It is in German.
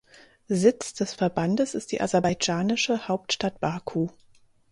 Sitz des Verbandes ist die aserbaidschanische Hauptstadt Baku.